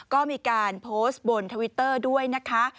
ก็มีการโพสต์บนทวิตเตอร์ด้วยนะคะ